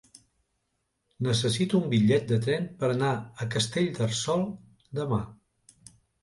Necessito un bitllet de tren per anar a Castellterçol demà.